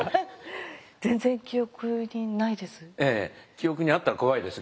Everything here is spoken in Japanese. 全然記憶にないです。